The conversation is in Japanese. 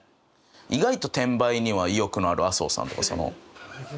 意外と転売には意欲のある麻生さんとか。